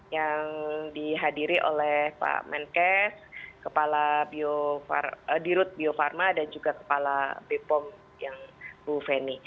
yang dihadiri oleh pak menkes kepala dirut bio farma dan juga kepala bepom yang bu feni